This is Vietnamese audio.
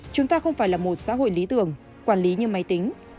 chúng ta không phải là một xã hội lý tưởng quản lý như máy tính